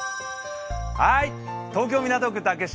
東京・港区竹芝